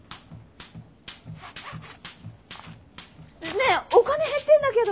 ねえおカネ減ってんだけど。